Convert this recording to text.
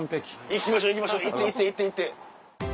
行きましょう行きましょう行って行って行って行って。